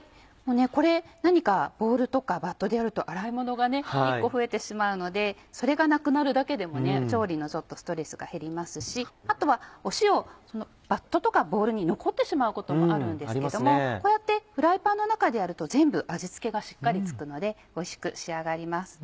これ何かボウルとかバットでやると洗いものが１個増えてしまうのでそれがなくなるだけでも調理のストレスが減りますしあとは塩バットとかボウルに残ってしまうこともあるんですけどもこうやってフライパンの中でやると全部味付けがしっかり付くのでおいしく仕上がります。